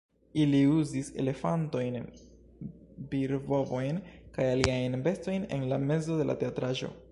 Ili uzis elefantojn, virbovojn kaj aliajn bestojn en la mezo de la teatraĵo